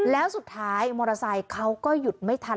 แล้วสุดท้ายมอเตอร์ไซค์เขาก็หยุดไม่ทัน